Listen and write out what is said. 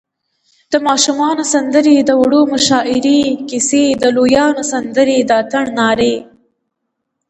د ماشومانو سندرې، د وړو مشاعرې، کیسی، د لویانو سندرې، د اتڼ نارې